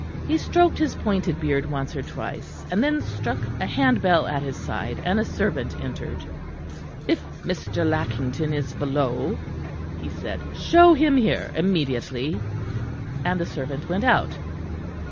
He stroked his pointed beard once or twice, and then struck a hand bell at his side; and a servant entered. "If Mr. Lackington is below," he said, "show him here immediately," and the servant went out.